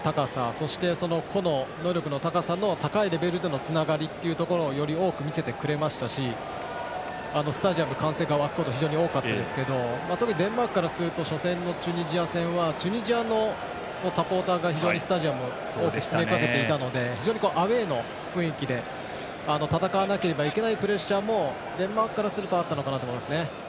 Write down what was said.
そして、個の能力の高さでの高いレベルでのつながりっていうところをより多く見せてくれましたしスタジアムに歓声が沸くことが非常に多かったですけど特にデンマークからすると初戦のチュニジア戦はチュニジアのサポーターが非常にスタジアムに多く詰め掛けていたので非常にアウェーの雰囲気で戦わなければいけないプレッシャーもデンマークからするとあったのかなと思います。